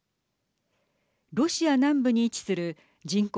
ロシア南部に位置する人口